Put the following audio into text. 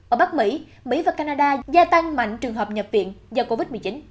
ở bắc mỹ mỹ và canada gia tăng mạnh trường hợp nhập viện do covid một mươi chín